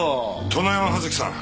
殿山葉月さん